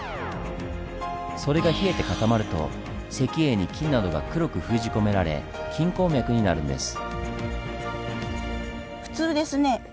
それが冷えて固まると石英に金などが黒く封じ込められ金鉱脈になるんです。